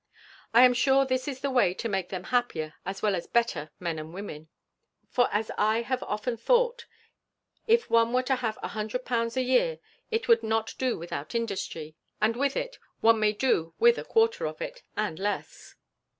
I am sure this is the way to make them happier as well as better men and women; for, as I have often thought, if one were to have a hundred pounds a year, it would not do without industry; and with it, one may do with a quarter of it, and less.